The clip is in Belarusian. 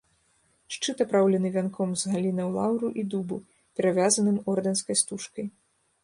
Шчыт апраўлены вянком з галінаў лаўру і дубу, перавязаным ордэнскай стужкай.